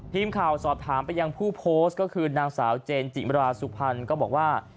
ทีมข่าวสอบถามไปยังผู้โพสต์ก็คือนางสาวเจนจิมราสุพรรณก็บอกว่า